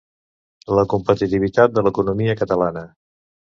La competitivitat de l'economia catalana.